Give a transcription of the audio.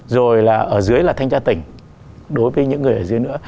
rồi là ở dưới là thanh tra tỉnh đối với những người ở dưới nữa